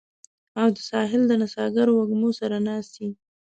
او د ساحل د نڅاګرو وږمو سره ناڅي